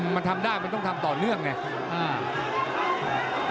มันทำได้มันต้องทำต่อเนื่องไง